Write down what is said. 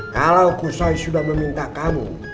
kalau kusai sudah meminta kamu